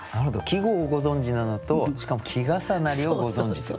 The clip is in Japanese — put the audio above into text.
季語をご存じなのとしかも季重なりをご存じと。